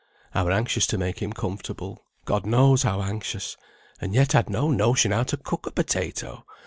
I were anxious to make him comfortable, God knows how anxious. And yet I'd no notion how to cook a potato.